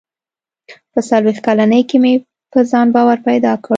• په څلوېښت کلنۍ کې مې په ځان باور پیدا کړ.